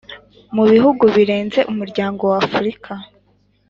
mu bihugu bigize Umuryango w Afurika